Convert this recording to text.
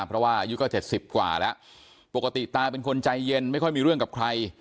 เพราะว่าอายุก็๗๐กว่าแล้วปกติตาเป็นคนใจเย็นไม่ค่อยมีเรื่องกับใคร